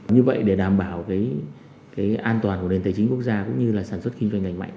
như vậy để đảm bảo an toàn của nền tế chính quốc gia cũng như sản xuất kinh doanh mạnh